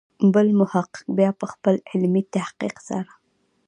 بل محقق بیا په خپل علمي تحقیق سره.